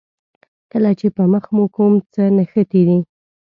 کله چې په مخ مو کوم څه نښتي دي.